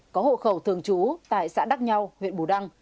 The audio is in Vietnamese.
có hộ khẩu thường trú tại xã đắc nhau huyện bù đăng